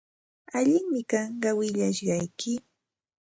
Allinmi kanqa willashqaykim.